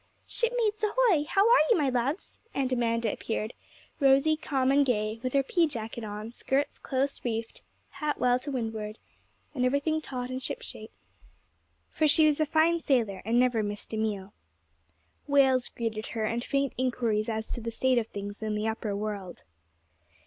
'Shipmates ahoy! how are you, my loves?' and Amanda appeared, rosy, calm, and gay, with her pea jacket on, skirts close reefed, hat well to windward, and everything taut and ship shape; for she was a fine sailor, and never missed a meal. Wails greeted her, and faint inquiries as to the state of things in the upper world.